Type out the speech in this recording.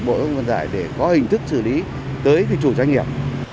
bộ giao thông vận tải để có hình thức xử lý tới cái chủ trách nhiệm